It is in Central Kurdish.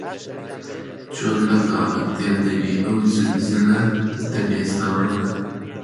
چۆن لە کاڵەک تێر دەبێ ئەو زگ زلە بێستان ڕنە؟